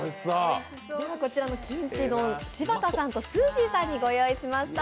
こちらのきんし丼柴田さんとすーじーさんにご用意しました。